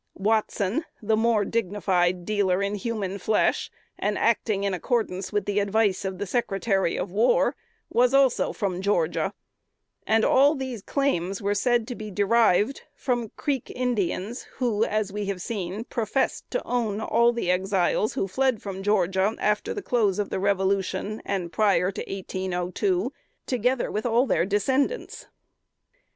Watson, the more dignified dealer in human flesh, and acting in accordance with the advice of the Secretary of War, was also from Georgia; and all these claims were said to be derived from Creek Indians, who, as we have seen, professed to own all the Exiles who fled from Georgia after the close of the Revolution, and prior to 1802, together with their descendants.